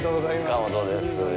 塚本です。